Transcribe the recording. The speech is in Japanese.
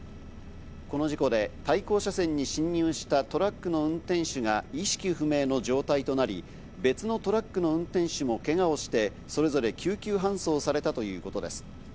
この事故で対向車線に進入したトラックの運転手が意識不明の状態となり、別のトラックの運転手もけがをして、それぞれ救急搬送されたということです。